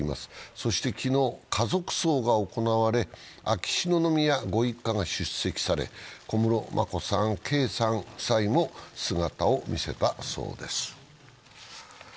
そして昨日、家族葬が行われ、秋篠宮ご一家が出席され、小室眞子さん、圭さん夫妻も姿を見せたそうです。